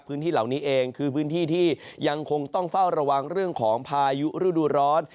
พื้นที่เหล่านี้เองคือพื้นที่ที่ยังคงต้องเฝ้าระวังเรื่องของพายุฤดูร้อน